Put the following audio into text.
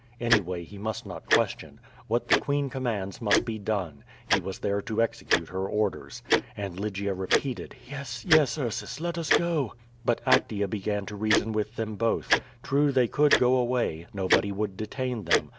Anyway, he must not question. What the queen commands must be done. He was there to execute her orders. And Lygia repeated: "Yes, yes, Ursus, let us go." But Actea began to reason with them both. True, they could go away, nobody would detain them.